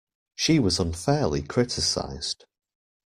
She was unfairly criticised